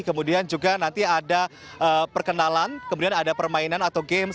kemudian juga nanti ada perkenalan kemudian ada permainan atau games